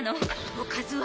おかずは。